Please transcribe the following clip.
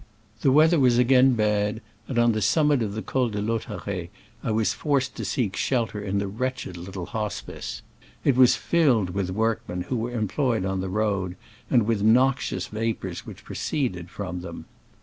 The weather was again bad, and on the summit of the Col de Lautaret I was forced to seek shelter in the wretched little hospice. It was filled with work men who were employed on the road, and with noxious vapors which proceed ed from them.